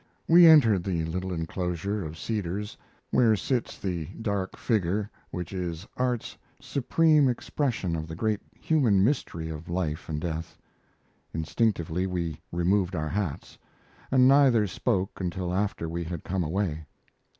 We entered the little inclosure of cedars where sits the dark figure which is art's supreme expression of the great human mystery of life and death. Instinctively we removed our hats, and neither spoke until after we had come away.